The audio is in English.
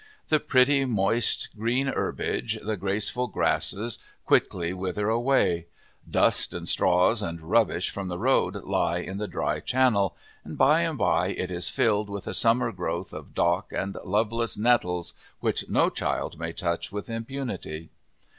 The pretty moist, green herbage, the graceful grasses, quickly wither away; dust and straws and rubbish from the road lie in the dry channel, and by and by it is filled with a summer growth of dock and loveless nettles which no child may touch with impunity.